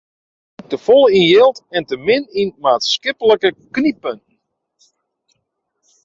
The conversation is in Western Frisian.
Hy tinkt te folle yn jild en te min yn maatskiplike knyppunten.